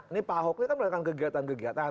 ini pak ahok ini kan melakukan kegiatan kegiatan